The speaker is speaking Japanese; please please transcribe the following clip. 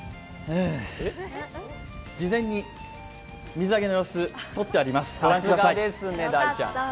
事前に水揚げの様子撮ってありますご覧ください。